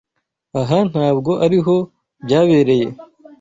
Aha ntabwo ariho byabereye.